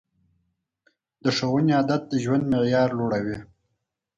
د ښوونې عادت د ژوند معیار لوړوي.